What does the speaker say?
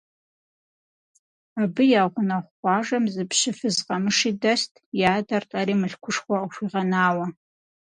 Абы я гъунэгъу къуажэм зы пщы фыз къэмыши дэст, и адэр лӀэри мылъкушхуэ къыхуигъэнауэ.